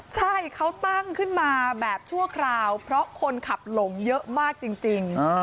ใช่เขาตั้งขึ้นมาแบบชั่วคราวเพราะคนขับหลงเยอะมากจริง